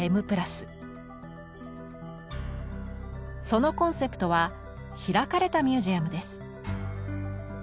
そのコンセプトは「開かれたミュージアム」です。